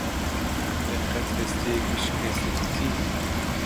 Te qet hestiyekî şikesti dîtiyî?